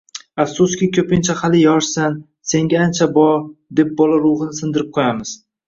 Afsuski, ko‘pincha “Hali yoshsan”, “Senga ancha bor”, deb bola ruhini sindirib qo‘yamiz.